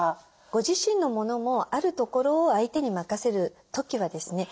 ご自身のものもあるところを相手に任せる時はですね